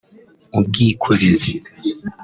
ubwikorezi